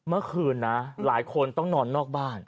เมื่อคืนนะหลายคนต้องนอนนอกบ้าน